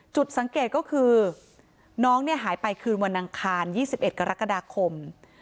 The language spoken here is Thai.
จุดสังเกตก็คือน้องหายไปคืนวันอังคาร๒๑กรกฎาคม